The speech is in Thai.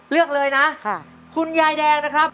เลือกเลยนะคุณยายแดงนะครับ